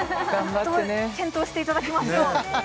検討していただきましょう